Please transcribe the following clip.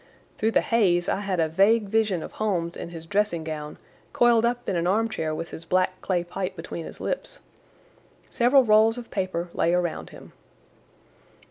Through the haze I had a vague vision of Holmes in his dressing gown coiled up in an armchair with his black clay pipe between his lips. Several rolls of paper lay around him.